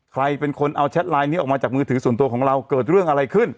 ใครเป็นคนเอาแชทไลน์นี้ออกมาจากมือถือส่วนตัวของเราเกิดเรื่องอะไรขึ้น